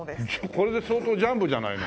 これで相当ジャンボじゃないの。